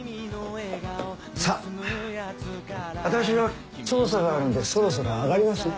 さぁ私は調査があるんでそろそろ上がりますね。